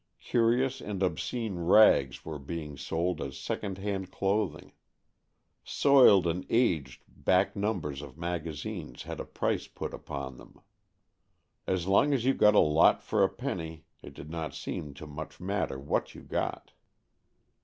Curious and obscene rags were being sold as second hand clothing. Soiled and aged back numbers of magazines had a price put upon them. As long as you got a lot for a penny, it did not seem to much matter what you got.